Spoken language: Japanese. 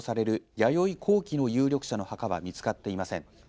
弥生後期の有力者の墓は見つかっていません。